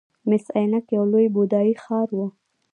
مس عینک یو لوی بودايي ښار و